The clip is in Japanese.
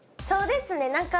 そうですね。